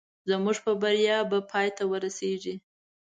زموږ په بریا به پای ته ورسېږي